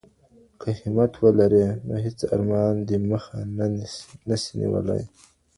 که همت ولرې نو هیڅ ارمان دي مخه نه سي نیولای.